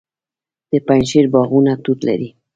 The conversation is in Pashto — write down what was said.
د پنجشیر باغونه توت لري.